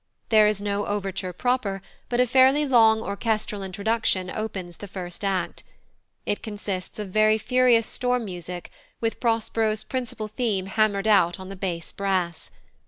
There is no overture proper, but a fairly long orchestral introduction opens the first act; it consists of very furious storm music, with Prospero's principal theme hammered out on the bass brass.